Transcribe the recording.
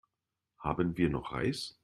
Haben wir noch Reis?